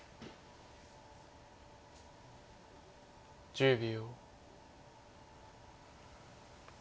１０秒。